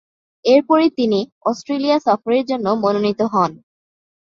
এরপরই তিনি অস্ট্রেলিয়া সফরের জন্য মনোনীত হন।